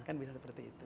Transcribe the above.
kan bisa seperti itu